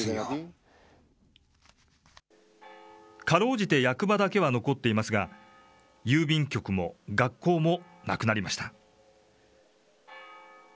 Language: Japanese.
かろうじて役場だけは残っていますが、郵便局も学校もなくなりました。